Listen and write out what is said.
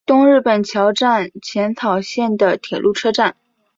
东日本桥站浅草线的铁路车站。